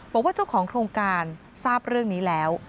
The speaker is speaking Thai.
บอกว่าเจ้าของโครงการทราบเรื่องนี้แล้ว